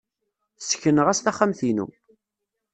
Ssekneɣ-as taxxamt-inu.